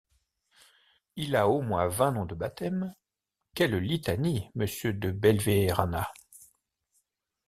Il a au moins vingt noms de baptême. — Quelle litanie, Monsieur De Belverana!